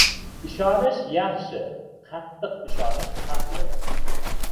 • Ishonish — yaxshi, qattiq ishonish — xavfli.